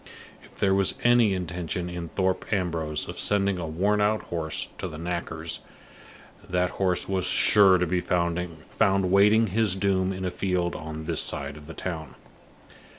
If there was any intention in Thorpe Ambrose of sending a worn out horse to the knacker's, that horse was sure to be found waiting his doom in a field on this side of the town.